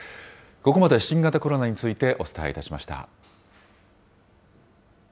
ここまで、新型コロナについてお伝えしました。